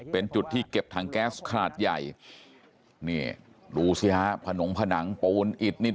เป็นจุดที่เก็บถังแก๊สขนาดใหญ่เนี่ยหลูเสียผนงผนังโปนอิดนิด